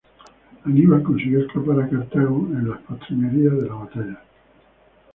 Aníbal consiguió escapar a Cartago en las postrimerías de la batalla.